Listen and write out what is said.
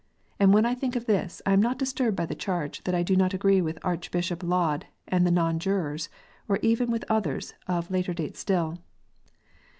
And when I think of this, I am not disturbed by the charge that do not agree with Archbishop Laud and the Non jurors, or even with others of later date still.